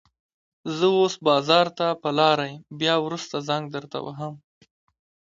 زه اوس بازار ته په لاره يم، بيا وروسته زنګ درته وهم.